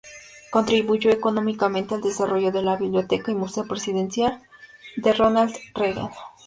Contribuyó económicamente al desarrollo de la Biblioteca y Museo Presidencial de Ronald Reagan.